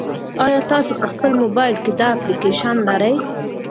ایا تاسي په خپل موبایل کې دا اپلیکیشن لرئ؟